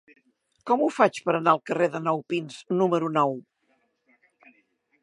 Com ho faig per anar al carrer de Nou Pins número nou?